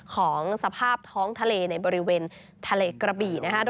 ของสภาพท้องทะเลในบริเวณทะเลกระบี่นะคะ